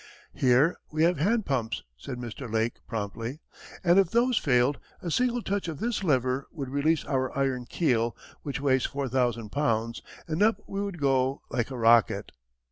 "Here we have hand pumps," said Mr. Lake promptly; "and if those failed, a single touch of this lever would release our iron keel, which weighs 4000 pounds, and up we would go like a rocket."